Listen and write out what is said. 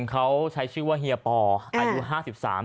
เขาใช้ชื่อว่าเฮียปออายุ๕๓กรัม